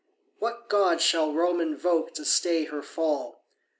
What god shall Rome invoke to stay Her fall?